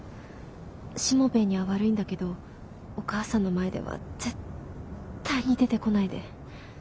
しもべえには悪いんだけどお母さんの前では絶対に出てこないで。